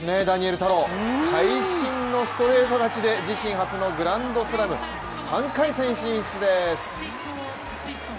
ダニエル太郎最新のストレート勝ちで自身初のグランドスラム３回戦進出です。